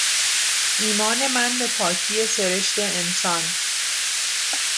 ایمان من به پاکی سرشت انسان